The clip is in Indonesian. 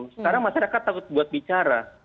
sekarang masyarakat takut buat bicara